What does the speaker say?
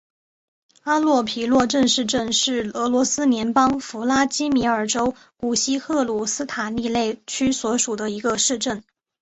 阿诺皮诺镇市镇是俄罗斯联邦弗拉基米尔州古西赫鲁斯塔利内区所属的一个市镇。